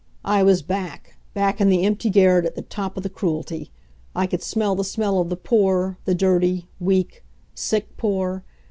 I was back back in the empty garret, at the top of the Cruelty. I could smell the smell of the poor, the dirty, weak, sick poor.